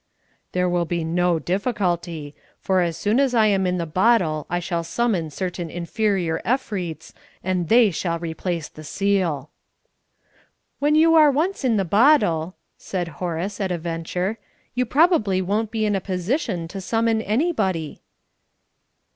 "There will be no difficulty, for as soon as I am in the bottle I shall summon certain inferior Efreets, and they will replace the seal." "When you are once in the bottle," said Horace, at a venture, "you probably won't be in a position to summon anybody."